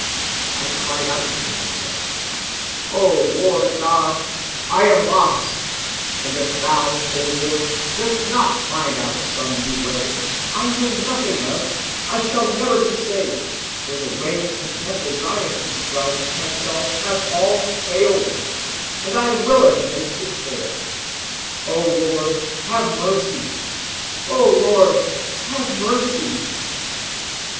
I cried out within myself, O Lord God, I am lost, and if thou, O Lord, dost not find out some new way, I know nothing of, I shall never be saved, for the ways and methods I have prescribed to myself have all failed me, and I am willing they should fail. O Lord, have mercy! O Lord, have mercy!